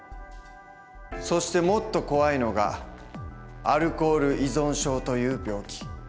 そしてもっと怖いのがアルコール依存症という病気。